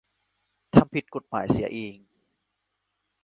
ทำผิดกฎหมายเสียเอง